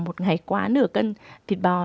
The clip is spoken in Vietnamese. một ngày quá nửa cân thịt bò